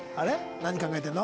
何考えてるの？